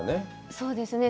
そうですね。